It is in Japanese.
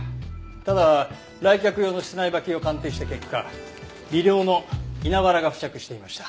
ただ来客用の室内履きを鑑定した結果微量の稲ワラが付着していました。